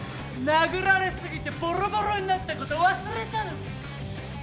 殴られ過ぎてボロボロになったこと忘れたのか？